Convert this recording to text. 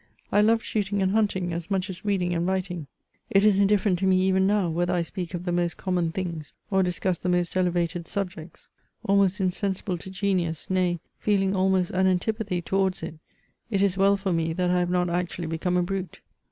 I loved shooting and hunting, as much as reading and writing ; it is indifferent to me even now, whether I speak of the most com mon things, or discuss the most elevated subjects. Almost insensible to genius, nay feeling almost an antipathy towards it ; it is well for me that I have not actually become a brute.